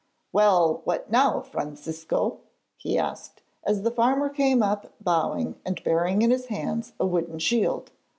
'Well, what now, Francisco?' he asked, as the farmer came up bowing, and bearing in his hands a wooden shield.